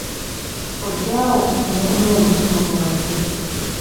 Kojja wo nja kumuwa omutima gwange.